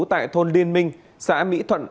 tại thôn liên minh xã mỹ thuận